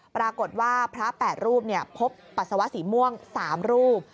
ปรากฏว่าพระ๘รูปพบปัสสาวะสีม่วง๓รูป